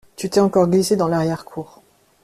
Tu t’es encore glissé dans l’arrière-cour.